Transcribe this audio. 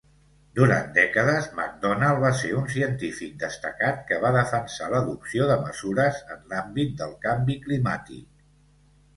Durant dècades, MacDonald va ser un científic destacat que va defensar l'adopció de mesures en l'àmbit del canvi climàtic.